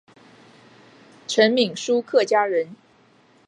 陈铭枢客家人。